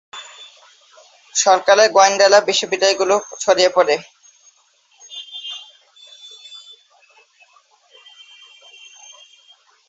সরকারের গোয়েন্দারা বিশ্ববিদ্যালয়গুলোয় ছড়িয়ে পড়ে।